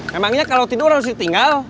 memangnya kalau tidur harus ditinggal